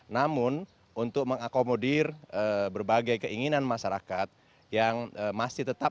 namun untuk mengakomodir berbagai keinginan masyarakat yang masih tetap